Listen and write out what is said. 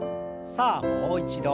さあもう一度。